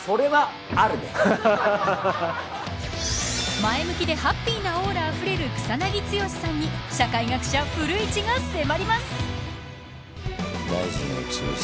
前向きでハッピーなオーラあふれる草なぎ剛さんに社会学者、古市が迫ります。